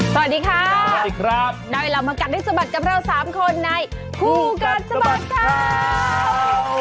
สวัสดีครับด้วยเรามากัดได้สบัดกับเรา๓คนในคู่กัดสบัดข้าว